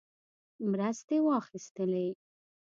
مرستې واخیستلې.